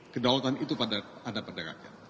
kedaulatan itu pada perdagangannya